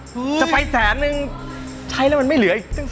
จะไปแสนนึงใช้แล้วมันไม่เหลืออีกสัก